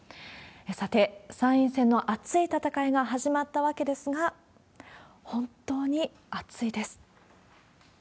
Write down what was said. さて、参院選の熱い戦いが始まったわけですが、本当に暑いです。